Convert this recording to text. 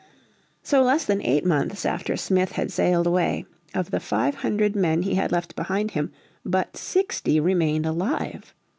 So less than eight months after Smith had sailed away, of the five hundred men he had left behind him but sixty remained alive.